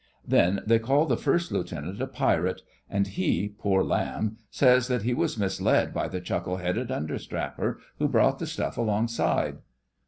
Then they call the First Lieutenant a pirate, and he, poor lamb, says that he was misled by the chuckle headed understrapper who brought the stuff alongside.